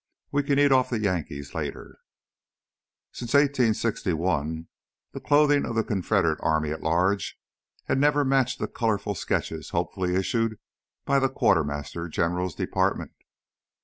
We can eat off the Yankees later." Since 1861 the clothing of the Confederate Army at large had never matched the colorful sketches hopefully issued by the Quartermaster General's department.